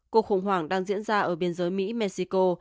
cuộc khủng hoảng đang diễn ra ở biên giới mỹ mexico